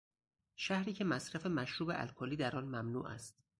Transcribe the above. شهری که مصرف مشروب الکلی در آن ممنوع است.